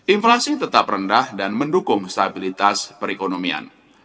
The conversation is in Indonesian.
inflasi tetap rendah dan mendukung stabilitas perekonomian